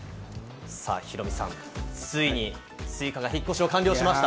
ヒロミさん、ついにスイカが引っ越しを完了しました。